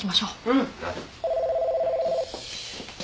うん。